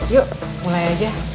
yuk mulai aja